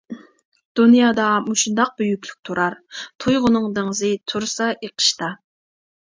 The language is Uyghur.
دۇنيادا مۇشۇنداق بۈيۈكلۈك تۇرار، تۇيغۇنىڭ دېڭىزى تۇرسا ئېقىشتا.